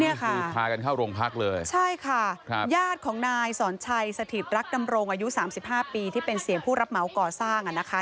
นี่ค่ะพากันเข้าโรงพักเลยใช่ค่ะครับญาติของนายสอนชัยสถิตรักดำรงอายุ๓๕ปีที่เป็นเสียงผู้รับเหมาก่อสร้างอ่ะนะคะ